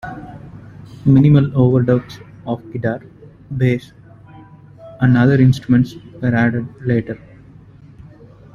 Minimal overdubs of guitar, bass and other instruments were added later.